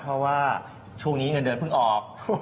เพราะว่าช่วงนี้เงินเดือนเพิ่งออก